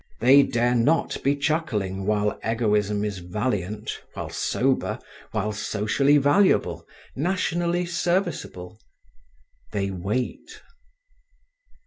They dare not be chuckling while Egoism is valiant, while sober, while socially valuable, nationally serviceable. They wait.